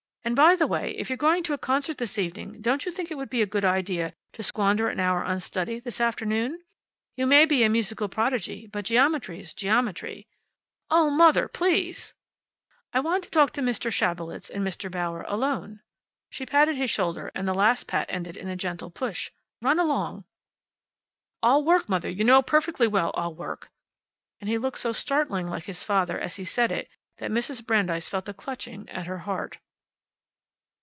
And, by the way, if you're going to a concert this evening don't you think it would be a good idea to squander an hour on study this afternoon? You may be a musical prodigy, but geometry's geometry." "Oh, Mother! Please!" "I want to talk to Mr. Schabelitz and Mr. Bauer, alone." She patted his shoulder, and the last pat ended in a gentle push. "Run along." "I'll work, Mother. You know perfectly well I'll work." But he looked so startlingly like his father as he said it that Mrs. Brandeis felt a clutching at her heart.